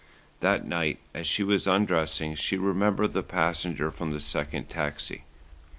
That night as she was undressing she remembered the passenger from the second taxi.